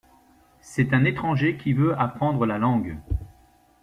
C’est un étranger qui veut apprendre la langue.